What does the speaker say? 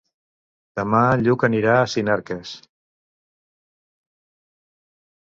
Demà en Lluc anirà a Sinarques.